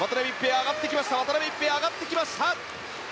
渡辺一平上がってきました。